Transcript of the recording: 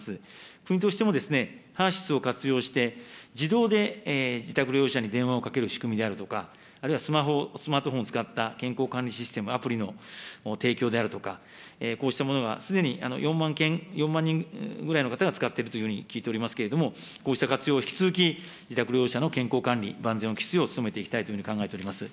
国としてもＨＥＲーＳＹＳを活用して、自動で自宅療養者に電話をかける仕組みであるとか、あるいはスマホ、スマートフォンを使った健康管理システム、アプリの提供であるとか、こうしたものがすでに４万件、４万人ぐらいの方が使っているというふうに聞いておりますけれども、こうした活用を引き続き自宅療養者の健康管理、万全を期すよう努めていきたいというふうに考えております。